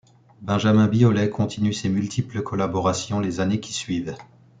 Benjamin Biolay continue ses multiples collaborations les années qui suivent.